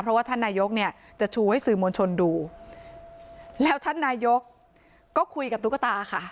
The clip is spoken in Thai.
เพราะว่าท่านนายกเนี่ยจะชูให้สื่อมวลชนดูแล้วท่านนายกก็คุยกับตุ๊กตาค่ะ